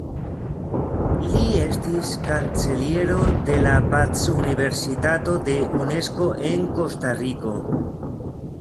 Li estis kanceliero de la "Pac-Universitato" de Unesko en Kostariko.